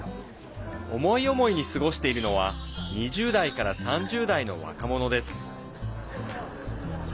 思い思いに過ごしているのは２０代から３０代の若者です。